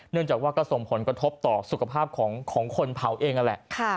เนื่องจากว่ากระสมผลกระทบต่อสุขภาพของคนเผาเองนี่แหละ